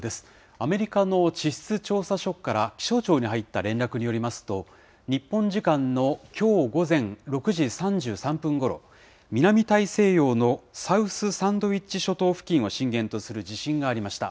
アメリカの地質調査所から気象庁に入った連絡によりますと、日本時間のきょう午前６時３３分ごろ、南大西洋のサウスサンドウィッチ諸島付近を震源とする地震がありました。